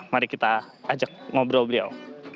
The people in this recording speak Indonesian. mari kita ajak ngobrol beliau